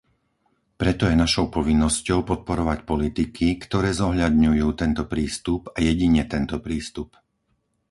Preto je našou povinnosťou podporovať politiky, ktoré zohľadňujú tento prístup, a jedine tento prístup.